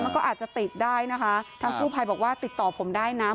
มันก็อาจจะติดได้นะคะทางกู้ภัยบอกว่าติดต่อผมได้นะ